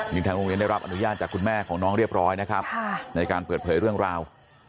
นี่ทางโรงเรียนได้รับอนุญาตจากคุณแม่ของน้องเรียบร้อยนะครับในการเปิดเผยเรื่องราว